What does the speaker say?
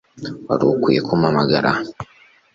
Wari ukwiye kumpamagara